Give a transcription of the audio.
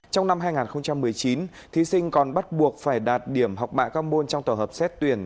trong năm hai nghìn một mươi chín thí sinh còn bắt buộc phải đạt điểm học bạ các môn trong tổ hợp xét tuyển